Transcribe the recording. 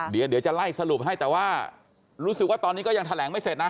เดี๋ยวจะไล่สรุปให้แต่ว่ารู้สึกว่าตอนนี้ก็ยังแถลงไม่เสร็จนะ